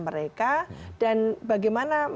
mereka dan bagaimana